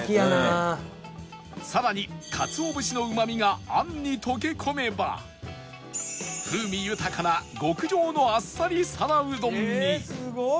さらに鰹節のうまみがあんに溶け込めば風味豊かな極上のあっさり皿うどんに